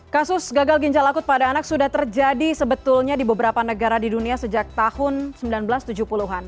kasus gagal ginjal akut pada anak sudah terjadi sebetulnya di beberapa negara di dunia sejak tahun seribu sembilan ratus tujuh puluh an